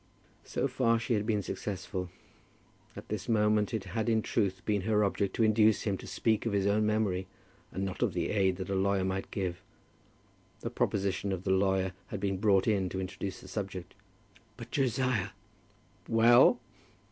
So far she had been successful. At this moment it had in truth been her object to induce him to speak of his own memory, and not of the aid that a lawyer might give. The proposition of the lawyer had been brought in to introduce the subject. "But, Josiah, " "Well?"